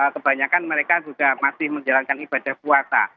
kebanyakan mereka juga masih menjalankan ibadah puasa